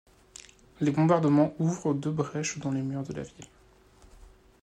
Les bombardements ouvrent deux brèches dans les murs de la ville.